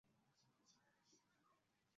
桑代特。